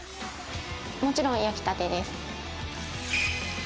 もちろん焼きたてです。